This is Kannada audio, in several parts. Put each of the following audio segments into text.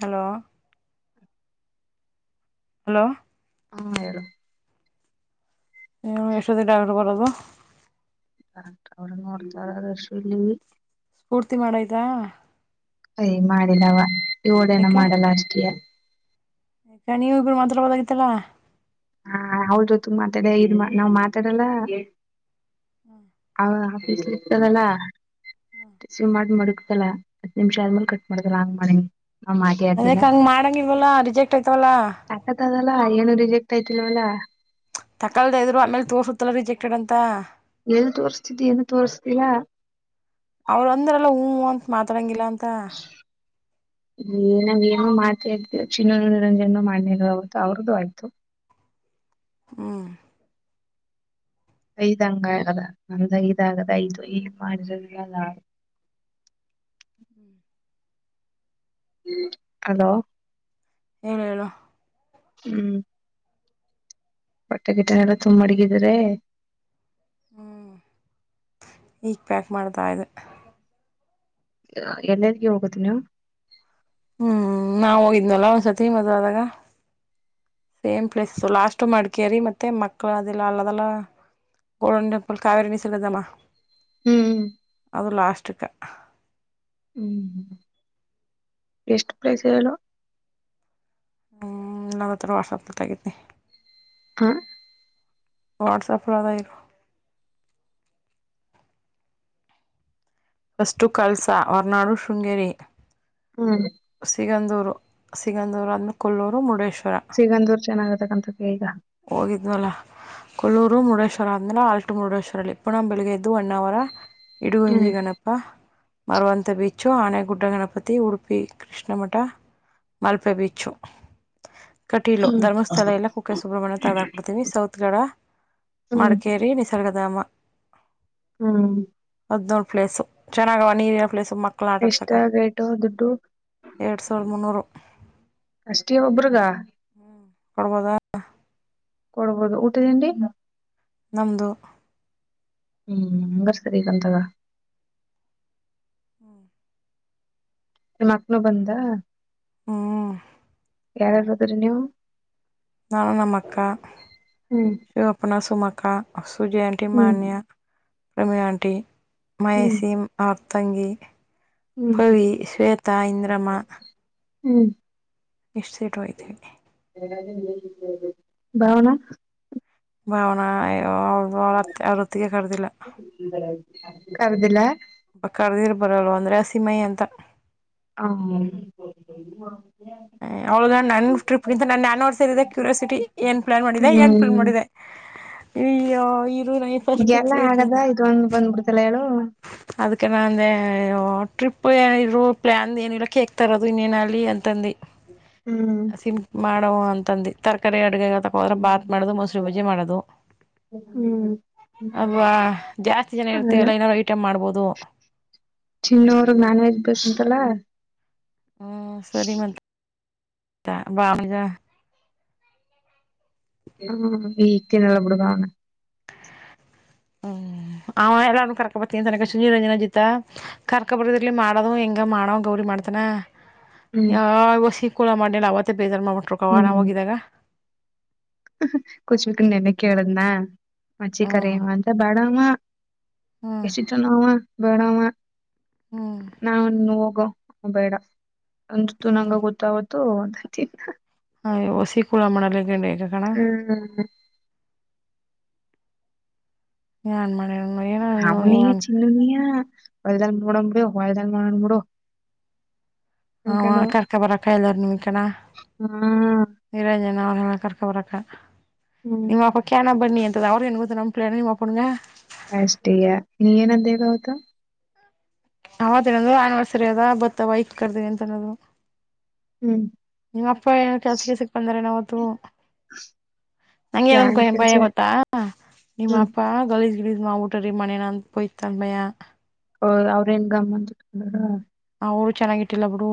ಹಲೋ ಹಲೋ ಹಾ ಯಾರು ಹ ಯಶವದೀ ಡಾಕ್ಟರ್ ಬರದು [unintelligible] ಡಾಕ್ಟ ಅವ ನೋಡ್ತರಶ ಇಲ್ಲಿ [unintelligible] ಪೂರ್ತಿ ಮಾಡಯ್ತಾ ಯ ಮಾಡಿಲ್ಲವ ಓಡೇನ ಯಾಕ ಮಾಡಲ್ಲ ಅಷ್ಟೆಯ ಯಾಕ ನೀವು ಇಬ್ರು ಮಾತ್ರಾಡ್ಬೋದಾಗಿತ್ತಲ್ಲಾ ಹಾ ಅವ್ರ ಜೊತೆ ಮಾತಾಡ ಇದ ನಾವ್ ಮಾತಾಡಲ್ಲ ಹ್ಮ್ [inaudible] ಹ ಆಫೀಸ್ ಇತದಲ್ಲ [unintelligible] ಸುಮಾರು ಮಾಡ್ ಮಡುಗು [unintelligible] ಲ್ಲ ಹತ್ ನಿಮಿಷ ಆದ್ಮೇಲೆ ಕಟ್ ಮಾಡ್ತಲ್ಲಾ ಹಂಗ ಮಾಡಿ ಅದಕ್ಕ ಹಂಗ ಮಾಡಂಗಿಲ್ವಲ್ಲಾ ರಿಜೆಕ್ಟ್ ಯತವಲ್ಲ ಕಯತಿ ಇಲ್ಲ [unintelligible] ತಕಾಲದೆ ಇದ್ರು ಆಮೇಲೆ ತೋರ್ಸುತ್ತಲ್ಲ ರಿಜೆಕ್ಟಡ್ ಅಂತ ಎಲ್ ತೋರ್ಸ್ತಿದಿ ಏನು ತೋರ್ರಿಸುತಿಲ್ಲ ಮಾತಡಂಗಿಲ್ಲ ಹನ [unintelligible] ನಾ ಮಾತಾವಿ ಚಿನ್ನ ನಿರಂಜನ ಮಾಡ್ಲಿ ಅವತ್ತು ಅವ್ರದ್ದು ಆಯ್ತು ಹ್ಮ್ ಐದ್ ಹಂಗ ಆಗದ ನಮ್ದೈದು ಆಗದ ಐದು ಏನ್ ಮಾಡಿರದಿಲ್ಲ ಲಾ [unintelligible] ಹ್ಮ್ [inaudible] ಅದು ಏನು ಹೇಳಏನು ಹ್ಮ್ ಬಟ್ಟೆ ಗಿಟ್ಟೆ ಎಲ್ಲ ತುಂಬು ಮಡಗಿದ್ರೆಯೇ ಹ್ಮ್ ಈಗ ಪ್ಯಾಕ್ ಮಾಡ್ತಾ ಇದೆ ಎ ಎಲ್ ಎಲ್ಲಿಗೆ ಹೋಗುದು ನೀನು ಹ್ಮ್ ನಾವು ಹೋಗಿದ್ನಲ್ಲ ಒಂದ್ಸರ್ತಿ ಮದ್ ಆದಾಗ ಸೇಮ್ ಪ್ಲೇಸ್ಸ ಲಾಸ್ಟ್ ಮಡಿಕೇರಿ ಮತ್ತೆ ಮಕ್ಳ ಅದೆಲ್ಲ ಅಲ್ಲದೆಲ್ಲ ಗೋಲ್ಡನ್ ಟೆಂಪಲ್ ಕಾವೇರಿ ಮೀಸಲದಮ್ಮ ಹ್ಮ್ [unintelligible] ಅವರು ಲಾಸ್ಕ್ಕ ಹ್ಮ್ ಎಷ್ಟಟ್ ಪ್ಲೇಸ್ ಹೇಳಲ್ಲ ಹ ನಾನ ಹತ್ರ ವಾಟ್ಸಾಪ್ನಲ್ಲಿ ತಗಿದ್ದೀನಿ ಹ ವಾಟ್ಸಆಪ್ಲ್ಲದ ಇರ ಫಸ್ಟು ಕಲ್ಸಾ ಹೊರ್ನಾಡು ಶೃಂಗೇರಿ ಹ್ಮ್ ಸಿಗಂದುರ್ ಸಿಗಂಧೂರು ಅಂದ್ಮೇಲೆ ಕೊಲ್ಲೂರು ಮುರುಡೇಶ್ವರ್ ಸಿಗಂದೂರ್ ಚೆನ್ನಾಗತಕ್ಕಂತ ಈಗ ಹೋಗಿದ್ವಲ್ಲ ಕೊಲ್ಲೂರು ಮುರುಡೇಶ್ವರ ಅಂದ ಆಲ್ಟ ಮೂರುಡೇಶ್ವಲ್ಲಿ ಇಪ್ಪು ನಮ್ಮ ಬೆಳಗ್ಗೆದ್ದ ಒನ್ ಅವರ ಹ್ಮ್ ಇಡುಗಂಜಿಗಣಪ್ಪ ಮರುವಂತ ಬೀಚ್ಚು ಆನೆಗುಡ್ಡ ಗಣಪತಿ ಉಡುಪಿ ಕೃಷ್ಣಮಠ ಮಲ್ಪೆ ಬೀಚು. ಹ್. ಕಟಿಲೋ ಹ್ಮ್ ಧರ್ಮಸ್ಥಳ ಎಲ್ಲ ಕುಕ್ಕಸುಬ್ರ್ ಸುಬ್ರಹ್ಮಣ ತೆಗ್ದಾಕ್ಬಿಡ್ತೀವಿ. ಸೌತ್ ಗಡ ಹ್ಮ್ ಮಡಿಕೇರಿ ನಿಸರ್ಗಧಾಮ. ಹ್ಮ್. ಒದ ನಡ್ ಪ್ಲೇಸ್ ಚನ್ನಾಗವ ನೀರಿನ ಪ್ಲೇಸ್ ಮಕ್ಕಳ್ ಎಷ್ಟ ಆಟಾಡ್ಸಕ. ರೇಟು ದುಡ್ಡು ಎರಡು ಸಾವಿರದ್ ಮುನ್ನೂರು. ಅಷ್ಟೇ ಒಬ್ರಗ. ಹ್ಮ ಕೊಡ್ಬೋದಾ ಹ್. [unintelligible] ಕೊಡ್ಬೋದು ಊಟತಿಂಡಿ ನಮದು. ಹ್ಮ್ ಮಂಗರ್ ಸರಿ ಬಂತಾಗ. [unintelligible] ಹ್ಮ್. ನಿ ಮಕ್ನು ಬಂದಾ. ಹ್ಮ್. ಯಾರಾರದರ [unintelligible] ನೀವು. ನಾನು ನಮ್ಮಕ್ಕ. ಹ್ಮ್ ಶಿವಪ್ಪನ ಸುಮಕ್ಕ್ ಕಾ ಆಸ್ ಸುಜಯಾನ್ಟಿ ಹ್ಮ್ ಮಾನ್ಯ. ಪ್ರಮಿ ಆಂಟಿ. ಹ್ಮ್ ಮೈಸೀಮ್ ಆಪ್ ತಂಗಿ. ಹ್ಮ್ ಪವಿ ಶ್ವೇತಾ ಇಂದ್ರಮ್ಮ. ಹ್ಮ್. ಎಷ್ಟ್ ಸೀಟ್ ಹೋಯ್ತೀವಿ. [unintelligible] ಬಾವನಾ. ಭಾವನಾ ಎಗ್ ಅವ್ರ್ ಅವ್ರ್ತ್ ಅವರೊತ್ತಿಗೆ ಕರ್ದಿಲ್ಲ. [unintelligible] ಕರ್ದಿಲ್ಲ ಕಡದಿರ್ ಬರಲ್ವ ಒಂದ್ರೆ ಹಸಿಮಯಿ ಅಂತ. ಹ್ಮ್. [unintelligible] ಏ ಅವಳ್ಗ ನನ್ ಟ್ರಿಪ್ಗಿಂತ ನನ್ ಆನಿವರ್ಸಿದೆ ಕ್ಯೂರಿಯಾಸಿಟಿ ಏನ್ ಪ್ಲಾನ್ ಮಾಡಿದೆ ಏನ್ ಫ್ಲಾನ್ ಹ್ಮ್ ಮಾಡಿದೆ. ಇ ಯೋ ಇರು ನಾಯಿಫ್ ಫಸ್ಟ್ ಟ್ರಿಪ್ ಎಲ್ಲ ಆಗದ ಹೋಯ್ತಿನಿ ಇದೊಂದು ಬಂದ್ಬಿಡ್ತಲ್ಲ ಹೇಳು ಅದ್ಕೆ ನ ಅಂದೆ ಏ ಓ ಟ್ರಿಪ್ ಏನಿದ್ರು ಪ್ಲ್ಯಾನ್ದ್ ಏನು ಇಲ್ಲ ಕೇಕ್ತರೋದು ಇನ್ನೇನಲ್ಲಿ ಅಂತಂದಿ. ಹ್ಮ್ ಸಿಂಪ್ ಮಾಡವ್ವ ಅಂತ್ ತಂದಿ ತರ್ಕಾರಿಕ ಬೇಗ ಏಗರ್ತಕೋ ಬಂದ್ರ್ ಬಾತ್ ಮಾಡೋದು ಮೊಸರು ಬಜ್ಜಿ ಮಾಡೋದು. ಹ್ಮ್ [unintelligible] ಅವಾ ಜಾಸ್ತಿ ಜನ ಅದೇ ಇರ್ತಿವಲ್ಲ ಏನಾದ್ರು ಐಟಮ್ ಮಾಡ್ಬೋದು. ಚಿನ್ನೋರ್ಗ್ ನಾನ್ ವೆಜ್ ಬೆಸಂತಲ್ಲ. ಹ್ಮ ಸರಿ ಮಂತ್. ತ್ತ ಬಾಮಜ. ಹ ಎ ಏನಿಲ್ಲ ಬಿಡು ಗನ ಹ್ಮ್ ಅವ ಎಲ್ಲ ಕರ್ಕ ಬರ್ತ ತನಕ ಸುನೀರಂಜನ ಜಿತ ಕರ್ಕ ಬರ್ದರ್ಲಿ ಮಾಡೋದು ಹೆಂಗ ಮಾಡವ ಗೌರಿ ಮಾಡ್ತಾನ ಹ್ಮ್ ಯಾವ ವಸಿ ಕುಲ ಮಾಡಲೇ ಅವತ್ತೆ ಬೇಜಾರ್ ಮಾಡಟ್ರು ಕ ಅವ ನಾ ಹೋಗಿದಾಗ ಕೊಚಕ್ಕ ನಿನ್ನೆ ಕೇಳದ್ನಾ ಮಚ್ಚಿಕರ ಹ್ಮ್ ಅಂತ ಬಡವ [inaudible] ಹ್ಮ್ ಎಸಿಚ ನಾವ [unintelligible] ಬಿಡವ [unintelligible] ಹ್ಮ್ ನಾನ ಹೋಗ ಹ ಬೇಡ ಅಂಜುತ್ತು ಹ್ಮ್ ನಂಗ ಗೊತ್ತಾಗುತ್ತ ಥೂ ನನ್ ತಿನ್ನು [unintelligible] ಹ ಒಸಿ ಕುಳ ಮಣಲ್ಲ ಹ್ಮ್ ಹಾನ್ ಮಾಡ ಔನಿಯ ಚಿಲ್ಲುನಿಯಾ ವಲ್ದಾನ ನೋಡನ್ ಬಿಡು ವಲ್ದಾನ ನೋಡನ್ ಮೂಡೋ ಹ ಕರ್ಕ ಬರ ಕಾಯಲ್ಲ ನಿಮಿಕಣ ಹಾ ನಿರಂಜನ ಅವ ಕರ್ಕ ಔರಕ ಹ್ಮ್ ನಿಮ್ಮ ಅಪ ಕೆಣ ಬನ್ನಿ ಅಂತ ಅ [unintelligible] ಅವರು ಎಂಬತ್ತು ನಂಬಪಿನ ನೀ ಮಾ ಮಾಡ್ಣಗೆ ಅಷ್ಟಯ ನೀ ಏನಂದೇ ಅವತ್ತು ಅವತ್ತನದು ಆನಿವರ್ಸರಿ ಅದ ಬತ್ತ ಬ ಇಕ್ ಕರ್ದೀನಿ ಅಂತ ಅನ್ನದು ಹ್ಮ್ ನಿಮ್ಮ ಅಪ್ಪ ಏನ ಕೆಲ್ಸಕ್ಕೆ ಸಿಕ್ ಬಂದರೆ ಅವ ಹ್ಮ ಯಾನ್ ನಂಗೇನೊಂದ ಭಯ ಕೆಲ್ಸ ಗೊತ್ತಾ ನಿಮ್ಮ ಹ್ಮ ಅಪ್ಪ ಗಲಜ ಗಲೀಜ್ ಮಾಡ್ಬಿಟ್ಟರೆ ಮನೆಯಲ ಅಂತ ಭಯ ಓ ಅವ್ರೇನ್ ಗಮ್ಮತ್ ಅವರು ಚೆನ್ನಾಗಿ ಇಟ್ಟಿಲ್ಲ ಬಿಡು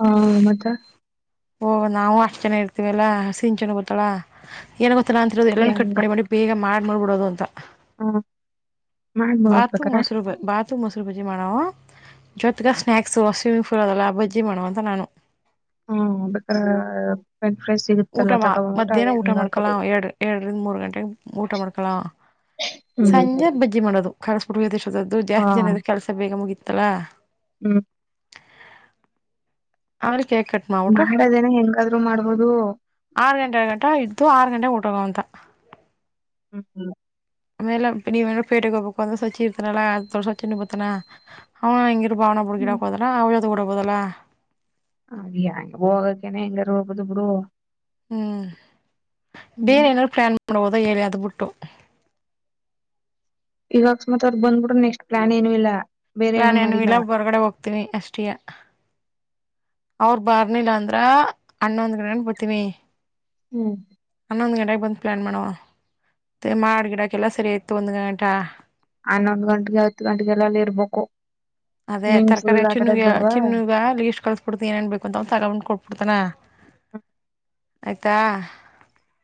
ಹಾ ಮತ್ತೆ ಓಹ ನಾವು ಅಷ್ಟ್ ಜೆನ ಇರ್ತಿವಿಲ್ಲಾ ಸಿನ್ ಚನ ಬತಳ ಏನ್ ಗೊತ್ತ ಅಂತ ಎಲ್ಲ ಕಟ್ ಮಾಡಿ ಬೇಗ ಮಾಡ ಮಾಡ್ಬಿಡೋದು ಅಂತ ಹಾ ಮಾಡ ಬಾತು ನೋಡ್ಬೇಕಾರ ಮೊಸರು ಬ ಬಾತು ಮೊಸರು ಬಜ್ಜಿ ಮಾಡವ ಜೊತ್ಗ ಸ್ನಾಕ್ಸ್ ಸ್ವಿಮ್ಮಿಂಗ್ ಪಫೂಲ್ ಅದೆಲ್ಲ ಬಜ್ಜಿ ಮಾಡವ ಅಂತ ನಾನು ಹ್ಮ್ ಅಕ ಊಟ ಮಾ ಮಧ್ಯಾಹ್ನ ಊಟ ಮಾಡ್ಕಳ ಹಾಕೋಬಹುದು ಎರಡ್ ಎರಡರಿಂದ ಮೂರು ಗಂಟೆಗೆ ಊಟ ಮಾಡ್ಕಳ ಸಂಜೆ ಬಜ್ಜಿ ಮಾಡೋದು ಕರ್ಸ್ ಬಿಯಾಡಿಶ್ಟ್ ಅದು ಹ ಜಾಸ್ತಿ ಜನ ಇದ್ರೆ ಕೆಲಸ ಬೇಗ ಮುಗಿತಾಧ್ ತಲಾ ಹ್ಮ್ ಅವ್ರಿಗ್ ಕೇಕ್ ಕಟ್ ಮಾಡ್ಬಿಟ್ಟು ಮಾಡದೇನ ಹೆಂಗಾದ್ರು ಮಾಡ್ಬೋದು ಆರು ಗಂಟೆ ಗಂಟ ಇದ್ದು ಆರು ಗಂಟೆ ಪ್ರಗಂತ ಹ ಹ್ಮ ಆಮೇಲೆ ನೀವೇನಾದ್ರೂ ಪೇಟೆಗ್ ಹೋಗ್ಬೇಕಾದ್ರೆ ಸಚಿ ಇರ್ತಾರಲ್ಲ ಸಚಿನ್ ನು ಬರ್ತಾನಾ ಹಾ ಅಂಗ್ ಭಾವನ ಬುಡ್ಗ್ ಹ್ಮ್ ಹಿಡಾಕ್ಹೋಧ್ಲಾ ಅವ್ರು ಕೋಡ್ಬೋದಲಾ ಹ ಹಾಗೆ ಹೋಗಕ್ಕೇನೆ ಹೆಂಗಾರ ಹೋಗುದು ಬಿರು ಹ್ಮ್ ಬೇರ್ ಏನರು ಪ್ಲಾನ್ ನಡ ಹದ ಎಳಿಯ ಅದ ಬಿಟ್ಟು ಈಗ ಅಕ್ಸ್ ಮತ್ ಅವದ ಬಂದ್ಬಿಟ್ರ ನೆಕ್ಸ್ಟ್ ಪ್ಲಾನ್ ಏನು ಇಲ್ಲ ಬೇರೆ ಆ ಏನು ನಾನೇನ್ ಮಾಡಿಲ್ಲ ಇಲ್ಲಾ ಹೊರ್ಗಡೆ ಹೋಗ್ತೀನೀ ಅಷ್ಟೆಯ ಅವ್ರ ಬಾರ್ನಿಲ್ಲ ಅಂದ್ರ ಅಣ್ಣ ಒಂದ್ ಗಡೆ ಬರ್ತೀನಿ ಅನ್ನೊಂದ್ ಗಟ ಬಂದ ಪ್ಲಾನ್ ಮಾಡುವ ಮ ಮಾಡ ಗಿಡಕ್ಕೆ ಎಲ್ಲ ಸರಿ ಆಯ್ತು ಒಂದ ಗ ಗಂಟಾ ಹನ್ನೊಂದು ಗಂಟೆಗೆ ಹತ್ತು ಗಂಟೆಗೆಲ್ಲಲ್ಲಿ ಇರ್ಬೇಕು ಅದೇ ಸ್ವಿಮ್ಮಿಂಗ್ ತರಕಿಯ ಪೂಲ್ ಆಟ ಚಿನ್ನುಗ ಆಡೋದ್ ಬೇಡವಾ ಚಿನ್ನುಗ ಅಲ್ಲಿ ಇಷ್ಟ್ ಕಳಸ್ಬಿಡ್ತನಿ ಏನೇನ್ ಬೇಕು ಅಂತ ಒ ತಗಬೊಂಡ್ ಕೊಟ್ಬಿಡ್ತಾನ ಆಯ್ತಾ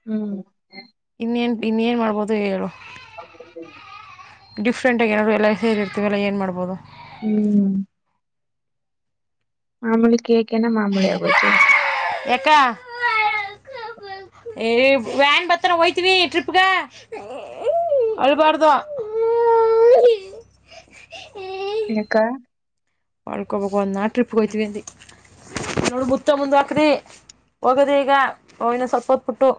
ಹ್ಮ್ ಇನ್ನ ೇನು ಮಾಡಬೋದು ಹೇಳು ಹ [unintelligible] ಡಿಫ್ರೆಂಟಾಗಿ ಏನಾದರು ಎಲ್ಲ ಸೇರಿರ್ತೀವೆ [unintelligible] ಲ್ಲ ಏನು ಮಾಡ್ಬೋದು ಹ್ಮ್ ಮಾಮೂಲಿ ಕೇಕ್ ಏನ ಮಾಮೂಲಿ ಆಗೋಯ್ತು ಎಕ್ಕ ವ್ಯಾನ್ ಬರ್ತಾವ್ ಟ್ರಿಪ್ಗೆ ಅಳಬಾರದು ಇಕ್ಕ ಮಾಡಳ್ಕೊಬೇಕು ಒಂದ್ ನಾ ಟ್ರಿಪ್ ಹೋಯತಿವಿ ಅಂದಿ ನೋಡ ಮುತ್ತ ಮುಂದ್ ಹಾಕ್ರಿ ಹೋಗದಿ ಈಗ ಅವಿನ ಸ್ವಪ ಹೊತ್ಬಿಟ್ಟು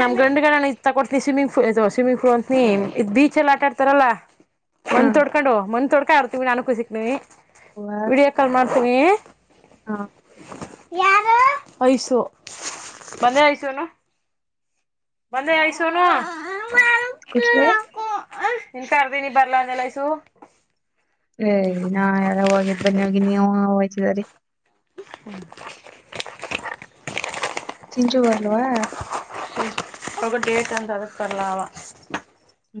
ನಮ ಗಂಡ್ಗಳ ಇ ತಕೋತನಿ ಸ್ವಿಮ್ಮಿಂಗ್ ಪೂಲ್ ಸ್ವಿಿಂಗ್ ಫೂಲ್ ಅಂತನಿ ಇದ್ ಬೀಚ್ಲ್ಲಿ ಆಟಾಡ್ತಾರಲ್ಲ ಒಂದ ಹವ ತೊಡ್ಕೊಂಡು ಮಂದ ತೊಡ್ಕಾ ಇರ್ತೀವಿ ನಾನು ಸಿಕ್ ನೀವಿ [unintelligible] ವಿಡಿಯೋ ಕಾಲ್ ಮಾಡ್ತೀವಿ ಹ ಯಾರ ಐಸು ಬಂದಯ ಐಸುನ್ನೂ ಬಂದಯ ಐಸುನ್ನೂ ಕುಚ್ವೆ ಹ ನಿಂಕರ್ದಿ ನೀ ಬರ್ಲಾಂದೆಲೈಸು ಐ ನಾಯಾರ ಓಗಿದ್ಬನ್ನಿಯೋಗಿ ನೀವೂವ ಓಯ್ತಿದರಿ [unintelligible] [unintelligible] ಸಿಂಚು ಬರ್ಲ್ವಾ ಅವ ಡೇಟಂತ ಅದಕ್ ಬರ್ಲಾ ಅವ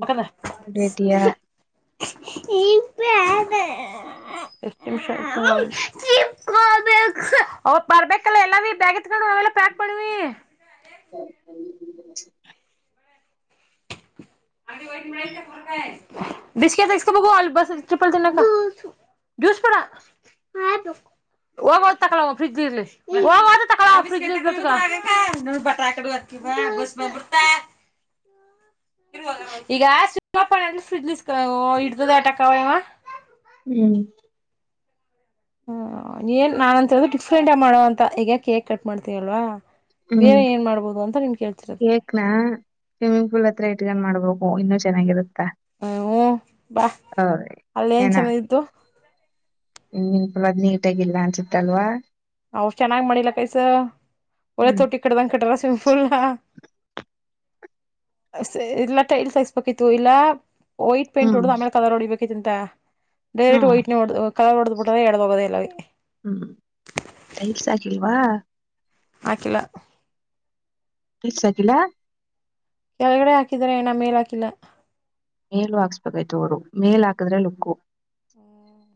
ಮಕಂದ ನಂಗು ಡೇಟಿಯಾ ಅತ್ನಿಂಶ ಟಿಪ್ಗೋಬೇಕು ಅವಬರ್ಬೇಕಲ್ಲ ಎಲ್ಲವಿ ಬ್ಯಾಗೆತ್ಕಂಡು ನಾವೆಲ್ಲ ಪ್ಯಾಕ್ ಮಾಡುವಿ [unintelligible] [unintelligible] ಬಿಸ್ಕೆಟ್ ತಗಿಸ್ಕಬೋಗೂ ಅಲ್ ಬಸ್--ಟ್ರಿಪ್ಪಲ್ ತಿನ್ನಕ ಜೂಸು ಜುಸ್ಬೇಡ ಆ ಬೇಕು ಒಗವಟ್ ತಕಲವ್ ಫ್ರಿಗ್ಲೀರ್ಲಿ ವಾಗಾಕ ಬಸಬಂಬುಡುತ್ತ [unintelligible] ಈಗ [unintelligible] ಇಡ್ದದೆ ಆಟ ಕವ್ವ ಇವ [unintelligible] ಹ್ಮ್ ಹ್ಮ ಏನ್ ನಾನಂತಿರದು ಡಿಫ್ರೆಂಟಾಗ್ ಮಾಡವಂತ ಈಗ ಕೇಕ್ ಕಟ್ ಮಾಡ್ತೀವಲ್ವಾ ಹ್ಮ್ ಬೇರೆ ಏನ್ ಮಾಡ್ಬೋದು ಅಂತ ನಿನ್ ಕೇಳ್ತಿರೋದು ಕೇಕ್ನ ಸ್ವಿಮ್ಮಿಂಗ್ ಪೂಲತ್ರ ಇಟ್ಕೊಂಡ್ ಮಾಡ್ಬೇಕ್ ಓ ಇನ್ನ ಚೆನ್ನಾಗಿರುತ್ತಾ ಐ ಊ ಬಾ ಅಲ್ಲೆಂಚೆನಾಗಿದ್ದು ಮಿಂಗ್ ಪೂಲದ್ನೀಟಾಗಿಲ್ಲನ್ಸುತ್ತಲ್ವ ವ್ರ್ ಚೆನಾಗ್ಮಾಡಿಲ್ಲಕೈಸು ಒಳ್ಳೆ ಹ್ಮ್ ತೊಟ್ಟಿ ಕಟ್ದಂಗ್ಕಟ್ಟರ ಸಿಂಪುಲ್ನ [unintelligible] ಹಾ ಸ್ [unintelligible] ಇಲ್ಲ ಟೈಲ್ಸಕ್ಸ್ಬಕಿತ್ತು ಇಲ್ಲ [unintelligible] ವೈಟ್ ಹ್ಮ್ ಪೈಂಟೋಡ್ದು ಆಮೇಲ್ ಕಲರೋಡಿಬೇಕ್ ಇದ್ರಂತ ಹ್ಮ ಡೈರೆಕ್ಟ್ ವೈಟ್ನೆ ವಡ್ದ್ ವ್ [unintelligible] ಕಳರೋಡ್ದ್ಬುಟರ ಎಡ್ದೋಗದ ಎಲ್ಲವಿ [unintelligible] ಹ್ಮ್ ಟೈಲ್ಸಕ್ಕಿಲ್ವ ಆಕಿಲ್ಲ ಟೈಲ್ಸಾಕಿಲ್ಲಾ ಕೆಳಗಡೆ ಆಕಿದರೆ ಅಣ್ಣ ಮೇಲಾಕಿಲ್ಲ ಮೇಲು ಹಾಕ್ಸ್ಬೇಕಾಯ್ತು ಅವ್ರು ಮೇಲಾಕುದ್ರೆ ಲುಕ್ಕು [inaudible]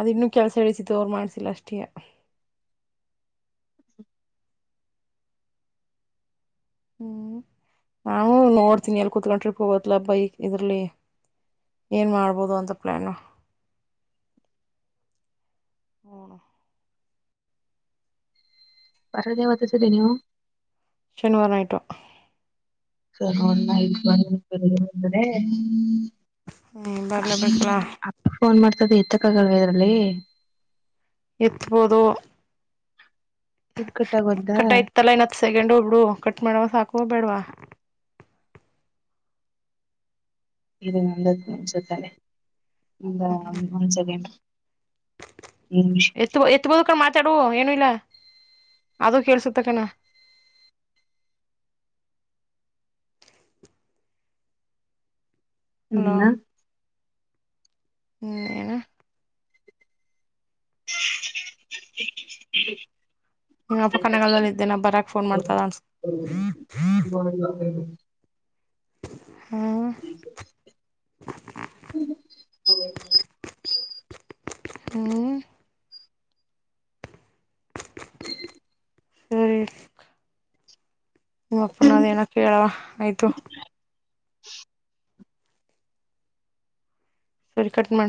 ಅದಿನ್ನು ಕೆಲ್ಸಇಡೀತಿತ್ತು ಅವರ್ಮಾಡ್ಸಿಲ್ಲ ಅಷ್ಟಿಯ ಹ್ಮ್ ನಾವು ನೋಡ್ತೀನಿ ಎಲ್ಕುತ್ತಂಡ್ ಟ್ರಿಪ್ ಹೋಗತ್ಲಪ್ಪ ಈ ಇದರ್ಲಿ ಏನ್ ಮಾಡ್ಬೋದು ಅಂತ ಪ್ಲಾನು ಬರದ್ಯಾವತ್ತಾ ಸರಿ ನೀವು ಶನಿವಾರ ನೈಟು [unintelligible] ಹ್ಮ್ ಬರ್ಲೇಬೇಕಲ್ಲ ಅಪ್ಪ ಫೋನ್ ಮಾಡ್ತದ ಎತ್ತಕಾಗಲ್ವ ಇದರ್ಲಿ [unintelligible] ಎತ್ಬದೋ ಇಕಟ್ಟುಆಗಾಯೊತ್ತಾ ಸೆಕೆಂಡ್ ಒಬ್ಡು ಕಟ್ ಮಾಡವ ಸಾಕ ಬೇಡವಾ ಇದು ಒಂದಕ್ಕ ನಿಂಚ ತಲೆೆ ಹ್ಮ್ ಒಂದು ಸೆಕೆಂಡ್ ನಿಮಿಷ ಎತ್ ಎತ್ತ ಬೋದ ಕಡೆ ಮಾತಾಡು ಏನು ಇಲ್ಲ ಅದು ಕೇಳಿಸುತ್ತಾ ತಕಣ ಅಲೋ ಹ್ಮ ಹ್ಮ್ ಏನ ಹ [unintelligible] ನಿಮ್ಮ ಅಪ್ಪ ಕನಗಾಲದದಲ್ಲಿ ಇದ್ದೇನೆ ಬರಕ ಫೋನ್ ಮಾಡ್ತಾರ ಅನ್ ಹ ಹ ಹ ಹ್ಮ ಹೇ ಹ್ಮ್ ಹ್ಮ ಸರಿ ನಿಮ್ಮಪ್ಪನಾದೇಏನಕ್ಕ ಹೇಳವ ಆಯ್ತು ಸರಿ ಕಟ್ ಮಾಡ